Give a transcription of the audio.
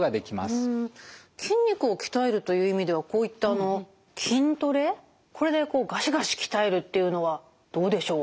筋肉を鍛えるという意味ではこういった筋トレこれでガシガシ鍛えるっていうのはどうでしょう？